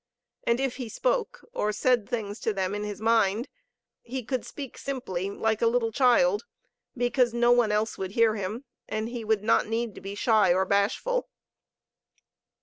And if he spoke, or said things to them in his mind, he could speak simply, like a little child, because no one else would hear him and he would not need be shy or bashful.